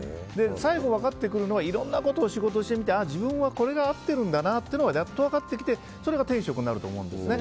最後分かってくるのはいろんなことを仕事してみて自分はこれが合ってるんだなってやっと分かってきてそれが転職になると思うんですね。